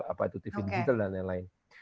apa itu tv digital dan lain lain